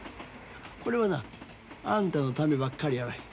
これはなあんたのためばっかりやない。